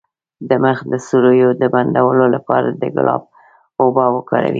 د مخ د سوریو د بندولو لپاره د ګلاب اوبه وکاروئ